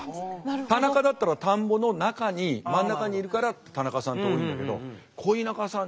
田中だったら田んぼの中に真ん中にいるから田中さんって多いんだけど恋中さん